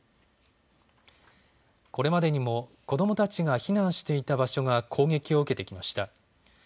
これまでにも子どもたちが避難していた場所が攻撃を受けてきました。